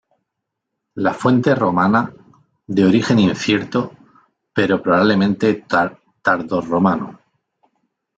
La Fuente Romana, de origen incierto, pero probablemente tardorromano.